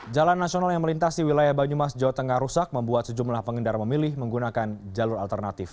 jalan nasional yang melintasi wilayah banyumas jawa tengah rusak membuat sejumlah pengendara memilih menggunakan jalur alternatif